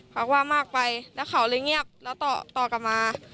พักว่ามากไปแล้วเขาเลยเงียบแล้วต่อกลับมา